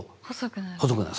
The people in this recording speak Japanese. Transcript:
細くなる。